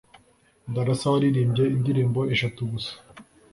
Darassa waririmbye indirimbo eshatu gusa